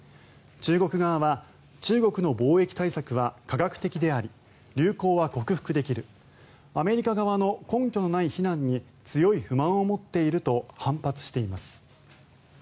中国側は中国の防疫対策は科学的であり流行は克服できるアメリカ側の根拠のない非難に強い不満を持っていると反発しています。